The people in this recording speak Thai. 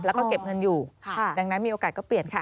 แล้วก็เก็บเงินอยู่ดังนั้นมีโอกาสก็เปลี่ยนค่ะ